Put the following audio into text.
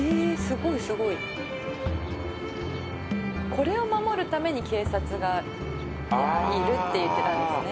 「これを守るために警察がいるって言ってたんですね」